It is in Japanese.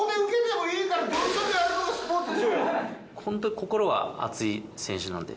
ホント心は熱い選手なんで。